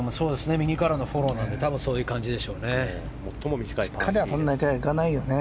右からのフォローなのでそういう感じでしょうね。